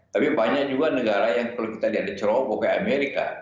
tapi banyak juga negara yang kalau kita lihat di cerobok kayak amerika